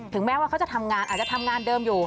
แม้ว่าเขาจะทำงานอาจจะทำงานเดิมอยู่